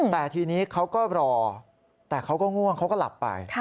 แต่ทีนี้เขาก็รอแต่เขาก็ง่วงเขาก็หลับไป